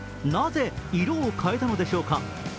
なぜ色を変えたのでしょうか？